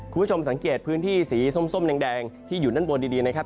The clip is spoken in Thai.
คุณผู้ชมสังเกตพื้นที่สีส้มแดงที่อยู่ด้านบนดีนะครับ